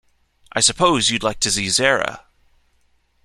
I suppose you’d like to see Zara.